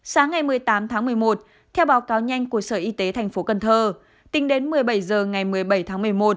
sáng ngày một mươi tám tháng một mươi một theo báo cáo nhanh của sở y tế thành phố cần thơ tính đến một mươi bảy h ngày một mươi bảy tháng một mươi một